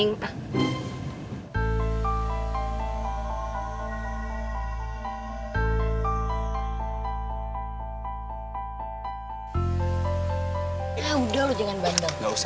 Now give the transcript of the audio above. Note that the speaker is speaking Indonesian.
ya udah loh jangan bandel